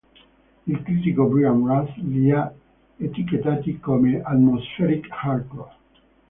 Il critico Brian Russ li ha etichettati come "atmospheric hardcore".